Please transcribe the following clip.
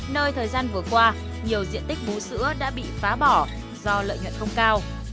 nơi thời gian vừa qua nhiều diện tích bú sữa đã bị phá bỏ do lợi nhuận không cao